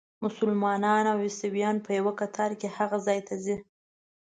مسلمانان او عیسویان په یوه کتار کې هغه ځای ته ځي.